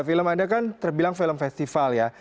film anda kan terbilang film festival ya